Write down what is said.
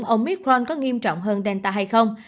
omicron có nghiêm trọng hơn delta hay không